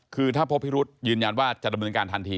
คือถ้าพบพิรุษยืนยันว่าจะดำเนินการทันที